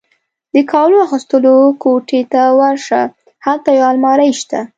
د کالو اغوستلو کوټې ته ورشه، هلته یو المارۍ شته.